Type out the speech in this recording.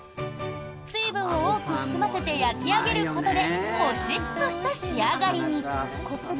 水分を多く含ませて焼き上げることでもちっとした仕上がりに。